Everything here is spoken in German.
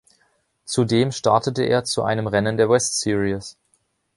Zudem startete er zu einem Rennen der West Series.